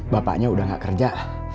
bapaknya udah gak kerja